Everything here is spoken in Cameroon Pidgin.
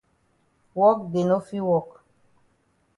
Wok dey no fit wok.